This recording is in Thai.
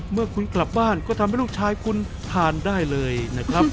เมื่อคุณกลับบ้านก็ทำให้ลูกชายคุณทานได้เลยนะครับ